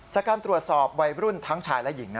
จากการตรวจสอบวัยรุ่นทั้งชายและหญิง